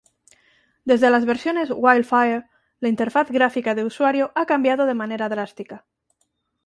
Desde las versiones "Wildfire" la interfaz gráfica de usuario ha cambiado de manera drástica.